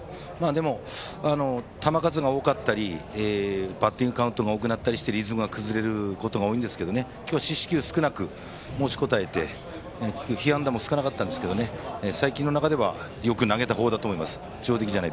でも、球数が多かったりバッティングカウントが多くなってリズムが崩れることが多いんですが今日は四死球少なく持ちこたえて被安打も少なかったんですけれど最近の中ではよく投げた方だと思います。